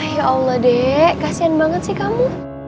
ya allah dek kasian banget sih kamu